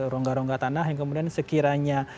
rongga rongga tanah yang kemudian sekiranya